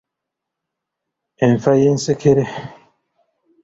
Enfa y'ensekere.